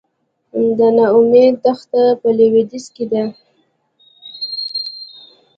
د نا امید دښته په لویدیځ کې ده